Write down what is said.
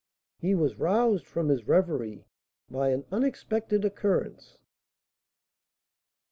He was roused from his reverie by an unexpected occurrence.